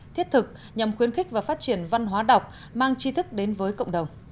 thiết thực nhằm khuyến khích và phát triển văn hóa đọc mang chi thức đến với cộng đồng